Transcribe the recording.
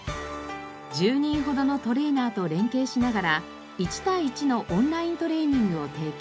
１０人ほどのトレーナーと連携しながら１対１のオンライントレーニングを提供。